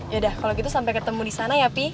ya udah kalau gitu sampai ketemu disana ya pi